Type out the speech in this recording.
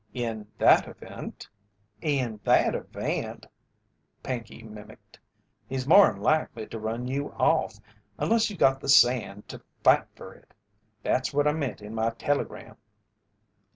"In that event?" "In that event," Pinkey mimicked, "he's more'n likely to run you off, unless you got the sand to fight fer it. That's what I meant in my telegram."